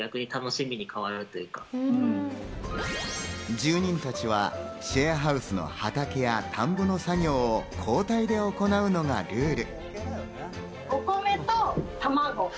住人たちはシェアハウスの畑や田んぼの作業を交代で行うのがルール。